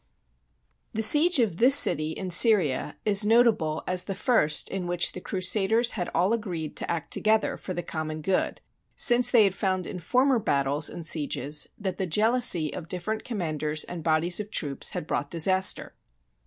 THE siege of this city, in Syria, is notable as the first in which the Crusaders had all agreed to act together for the common good, since they had found in former battles and sieges that the jealousy of different commanders and bodies of troops had brought disaster.